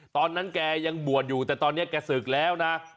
ตอนนั้นแกยังบวชอยู่แต่ตอนนี้แกศึกแล้วนะ